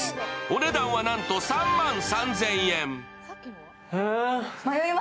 お値段はなんと３万３０００円。